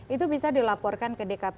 itu bisa dilaporkan ke dkp